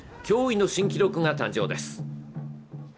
驚異の新記録が誕生です。